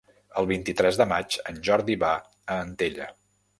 El vint-i-tres de maig en Jordi va a Antella.